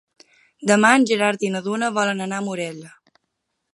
Demà en Gerard i na Duna volen anar a Morella.